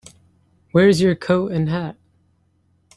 Where's your coat and hat?